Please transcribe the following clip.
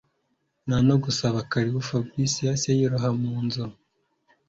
Ntanogusaba karibu Fabric yahise yiroha munzu